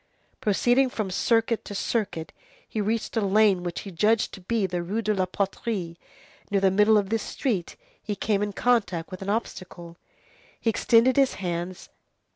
Proceeding from circuit to circuit, he reached a lane which he judged to be the Rue de la Poterie; near the middle of this street, he came in contact with an obstacle. He extended his hands.